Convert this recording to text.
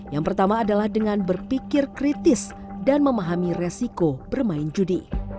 yang pertama adalah dengan berpikir kritis dan memahami resiko bermain judi